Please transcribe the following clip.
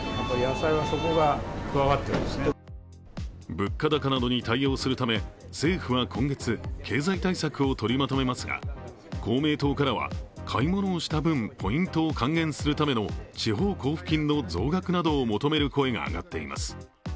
物価高などに対応するため政府は今月、経済対策をとりまとめますが、公明党からは買い物をした分ポイントを還元するための地方交付金の増額などを求める声が上がっています。